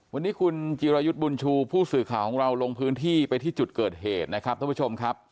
วันนี้คุณจิรายุทธ์บุญชูผู้สื่อข่าวของเราลงพื้นที่ไปที่จุดเกิดเหตุนะครับท่านผู้ชมครับ